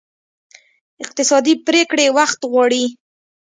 اقتصادي پرېکړې وخت غواړي.